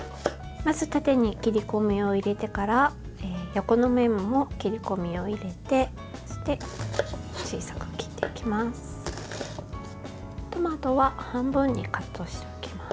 まず縦に切り込みを入れてから横の面も切り込みを入れてそして小さく切っていきます。